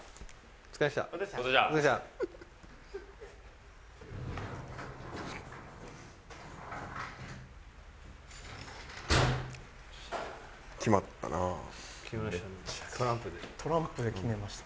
お疲れした。